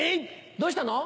どうしたの？